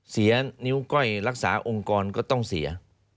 เสียนิ้วก้อยรักษาองค์กรก็ต้องเสีย